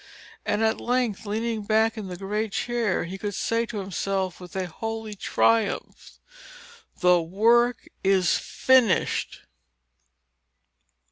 And at length, leaning back in the great chair, he could say to himself, with a holy triumph,—"The work is finished!"